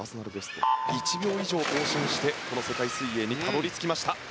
日本選手権ではパーソナルベストを１秒以上更新してこの世界水泳にたどり着きました。